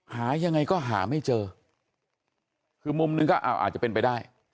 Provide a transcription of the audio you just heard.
หายังไงก็หาไม่เจอคือมุมนึงก็อาจจะเป็นไปได้